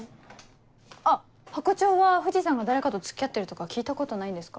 あっハコ長は藤さんが誰かと付き合ってるとか聞いたことないんですか？